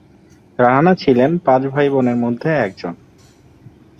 রানা ছিলেন পাঁচ ভাইবোনের মধ্যে একজন।